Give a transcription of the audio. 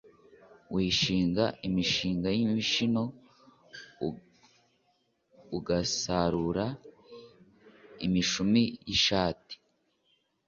Wishinga imishinga y’imishino ugasarura imishumi y’ishati.